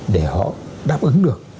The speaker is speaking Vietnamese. để họ đáp ứng được